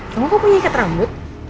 semua kok punya ikat rambut